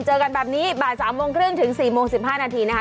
เจอกันแบบนี้บาท๓๓๐ถึง๔๑๕นาทีนะคะ